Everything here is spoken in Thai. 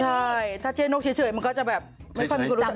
ใช่ถ้าใช้นกเฉยมันก็จะแบบไม่ค่อยรู้จัก